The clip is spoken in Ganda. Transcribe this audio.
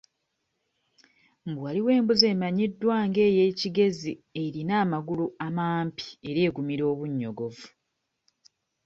Mbu waliwo embuzi emanyiddwa nga ey'e Kigezi erina amagulu amampi era egumira obunnyogovu.